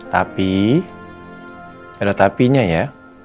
tapi ada tapi nya ya